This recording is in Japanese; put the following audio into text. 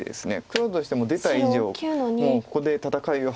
黒としても出た以上もうここで戦いを。